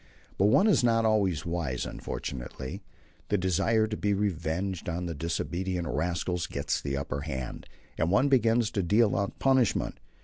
But one is not always wise, unfortunately. The desire to be revenged on the disobedient rascals gets the upper hand, and one begins to deal out punishment.